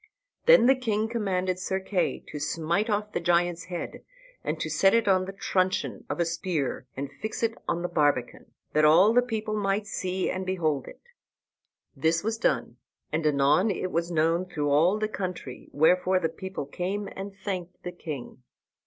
Then the king commanded Sir Kay to smite off the giant's head, and to set it on the truncheon of a spear, and fix it on the barbican, that all the people might see and behold it. This was done, and anon it was known through all the country, wherefor the people came and thanked the king.